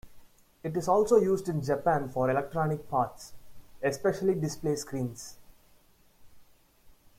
It is also used in Japan for electronic parts, especially display screens.